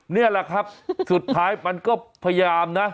นี่แหละครับสุดท้ายมันก็พยายามนะ